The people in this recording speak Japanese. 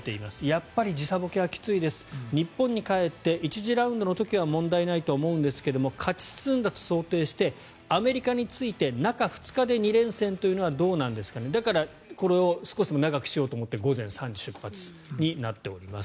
やっぱり時差ぼけはきついです日本に帰って１次ラウンドの時は問題ないと思うんですけど勝ち進んだと想定してアメリカに着いて中２日で２連戦というのはどうなんですかねだから、これを少しでも長くしようと思って午前３時出発になっております。